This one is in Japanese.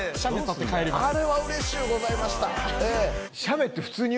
あれはうれしゅうございました。